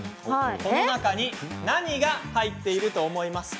この中に何が入っていると思いますか？